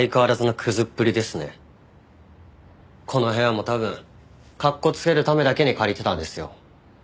この部屋も多分格好つけるためだけに借りてたんですよ。